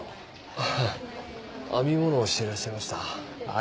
はぁ編み物をしていらっしゃいましたああ